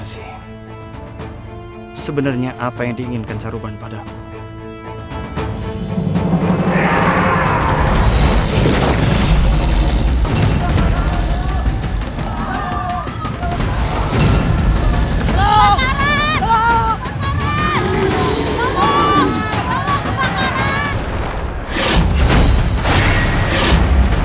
sebenarnya apa yang diinginkan sarubhan padah highest